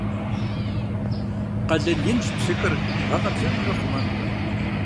Къалэн инщ псыхэр гъэкъэбзэнымрэ хъумэнымрэ.